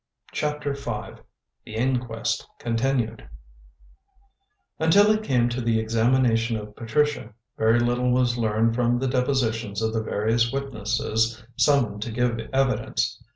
CHAPTER V THE INQUEST CONTINUED Until it came to the examination of Patricia, very little was learned from the depositions of the various witnesses summoned to give evidence.